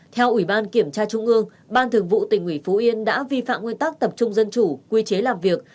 theo ủy ban kiểm tra trung ương ban thường vụ tỉnh ủy phú yên đã vi phạm nguyên tắc tập trung dân chủ quy chế làm việc